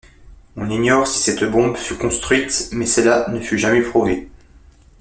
On ignore si cette bombe fut construite, mais cela ne fut jamais prouvé.